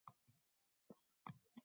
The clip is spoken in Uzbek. Qo‘lbola aroq savdosiga chek qo‘yildi